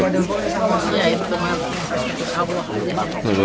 ya itu malah